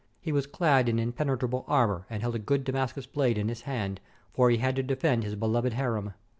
He was clad in impenetrable armor and held a good Damascus blade in his hand, for he had to defend his beloved harem.